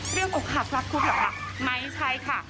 เรื่องกับหักรักครูแหละล่ะไม่ใช่ค่ะ